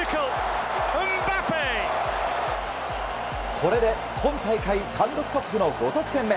これで今大会単独トップの５得点目。